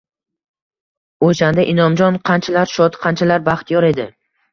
O`shanda Inomjon qanchalar shod, qanchalar baxtiyor edi